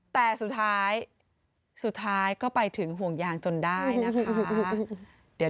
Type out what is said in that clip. แต่สุดท้ายก็ไปถึงห่วงยางจนได้นะคะ